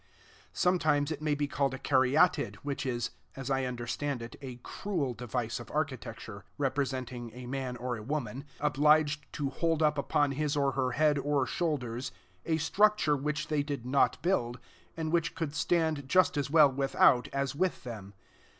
Sometimes it may be called a caryatid, which is, as I understand it, a cruel device of architecture, representing a man or a woman, obliged to hold up upon his or her head or shoulders a structure which they did not build, and which could stand just as well without as with them.